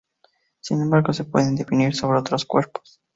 Sin embargo, se pueden definir sobre otros cuerpos.